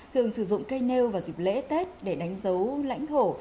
thường sử dụng cây nêu vào dịp lễ tết để đánh dấu lãnh thổ